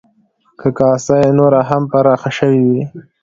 که کاسه یې نوره هم پراخه شوې وی،